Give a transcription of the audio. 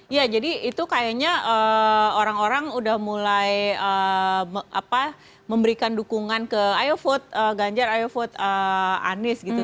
ya jadi itu kayaknya orang orang udah mulai memberikan dukungan ke ayo food ganjar ayo food anies gitu